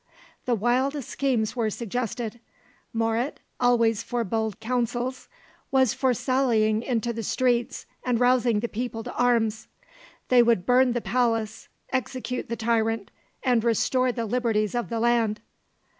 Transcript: The wildest schemes were suggested. Moret, always for bold counsels, was for sallying into the streets and rousing the people to arms; they would burn the palace, execute the tyrant, and restore the liberties of the land.